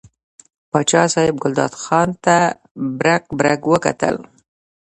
پاچا صاحب ګلداد خان ته برګ برګ وکتل.